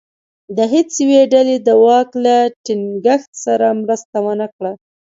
د هېڅ یوې ډلې دواک له ټینګښت سره مرسته ونه کړه.